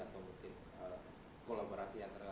atau mungkin kolaborasi antara